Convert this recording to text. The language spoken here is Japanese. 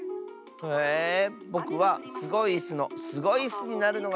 へえぼくはすごいイスのスゴイッスになるのがゆめだよ。